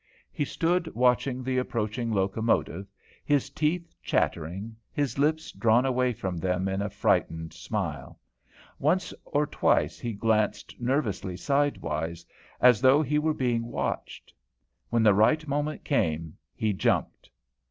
He stood watching the approaching locomotive, his teeth chattering, his lips drawn away from them in a frightened smile; once or twice he glanced nervously sidewise, as though he were being watched. When the right moment came, he jumped.